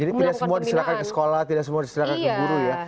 jadi tidak semua diserahkan ke sekolah tidak semua diserahkan ke guru ya